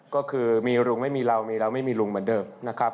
ก็คือมีลุงไม่มีเรามีเราไม่มีลุงเหมือนเดิมนะครับ